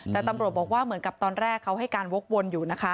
แต่ตำรวจบอกว่าเหมือนกับตอนแรกเขาให้การวกวนอยู่นะคะ